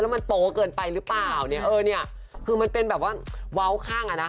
มันโป๊เกินไปหรือเปล่าเนี่ยเออเนี่ยคือมันเป็นแบบว่าเว้าข้างอ่ะนะคะ